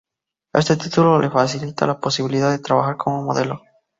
Éste título le facilita la posibilidad de trabajar como modelo.